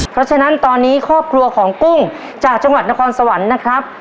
เพราะฉะนั้นตอนนี้ครอบครัวของกุ้งจากจังหวัดนครสวรรค์นะครับ